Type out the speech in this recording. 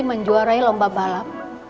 menjuarai lomba balap